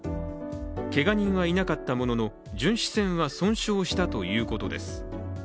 けが人はいなかったものの巡視船は損傷したということです。